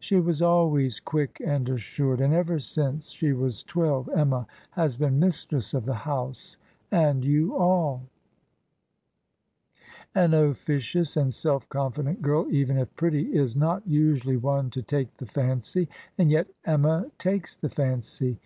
She was always qiiick and assured •.. and ever since she was twelve Emma has been mistress of the house and you all/ " An officious and self confident gir l, even if pr^tty» ^"^ riot llff"^^l^T nng in fa k£_the fancy, and yet Emma takes the fancy